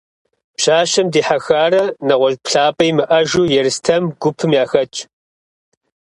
Пщащэм дихьэхарэ нэгъуэщӏ плъапӏэ имыӏэжу, Ерстэм гупым яхэтщ.